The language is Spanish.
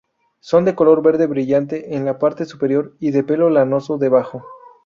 Son de color verde brillante en la parte superior y de pelo lanoso debajo.